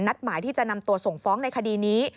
หมายที่จะนำตัวส่งฟ้องในคดีนี้